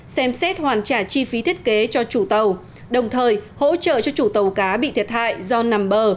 xem xét hoàn trả chi phí thiết kế cho chủ tàu đồng thời hỗ trợ cho chủ tàu cá bị thiệt hại do nằm bờ